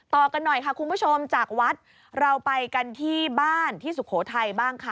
ต่อกันหน่อยค่ะคุณผู้ชมจากวัดเราไปกันที่บ้านที่สุโขทัยบ้างค่ะ